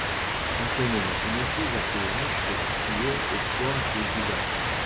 Anciennement, une écluse à péage se situait au port de Gouda.